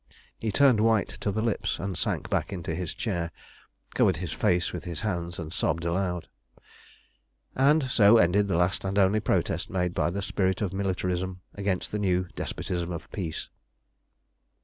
He turned white to the lips and sank back into his chair, covered his face with his hands, and sobbed aloud. And so ended the last and only protest made by the spirit of militarism against the new despotism of peace.